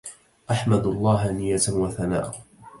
أحمدُ اللَّه نيةً وثناءَ